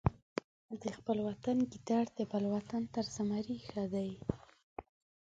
د خپل وطن ګیدړ د بل وطن تر زمري ښه دی.